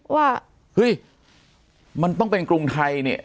ว่าเฮ้ยมันต้องเป็นกรุงไทยเนี่ย